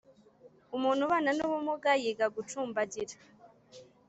umuntu ubana n'ubumuga yiga gucumbagira.